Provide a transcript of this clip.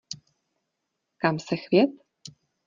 Kam se chvět?